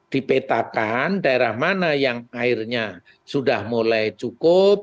dipetakan daerah mana yang airnya sudah mulai cukup